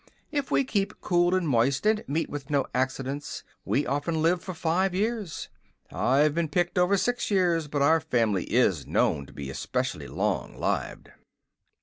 "If we keep cool and moist, and meet with no accidents, we often live for five years. I've been picked over six years, but our family is known to be especially long lived."